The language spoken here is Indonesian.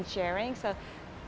jadi semua orang butuh lukisan